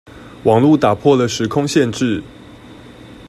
網路打破了時空限制